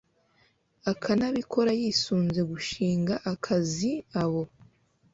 akanabikora yisunze gushinga akazi abo